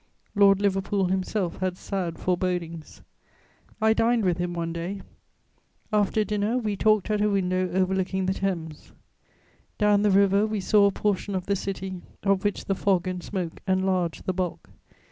Lord Liverpool himself had sad forebodings. I dined with him one day: after dinner, we talked at a window overlooking the Thames; down the river we saw a portion of the City, of which the fog and smoke enlarged the bulk.